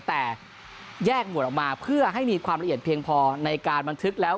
แต่แยกหมวดออกมาเพื่อให้มีความละเอียดเพียงพอในการบันทึกแล้ว